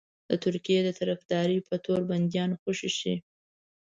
د ترکیې د طرفدارۍ په تور بنديان خوشي شي.